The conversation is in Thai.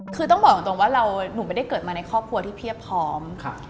คือต้องบอกตรงว่าหนูไม่ได้เกิดมาในครอบครัวที่เพียบพร้อม